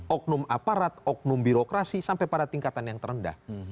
oknum aparat oknum birokrasi sampai pada tingkatan yang terendah